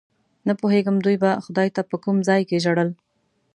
نه پوهېږم دوی به خدای ته په کوم ځای کې ژړل.